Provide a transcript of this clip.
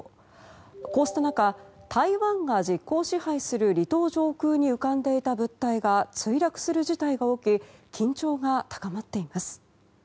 こうした中、台湾が実効支配する離島上空に浮かんでいた物体が墜落する事態が起き緊張が高まっています。